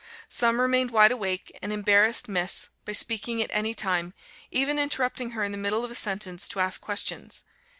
Some remained wide awake, and embarrassed Miss , by speaking at any time, even interrupting her in the middle of a sentence, to ask questions.